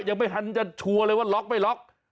ยังไม่ทันจะชัวร์เลยว่าล็อกไม่ล็อก